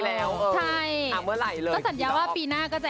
กับเพลงที่มีชื่อว่ากี่รอบก็ได้